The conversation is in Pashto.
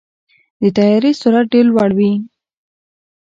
د طیارې سرعت ډېر لوړ وي.